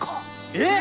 えっ！？